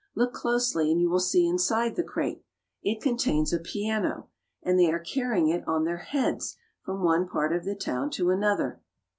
Look closely and you will see inside the crate. It contains a piano, and they are carrying it on their heads from one part of the town to another.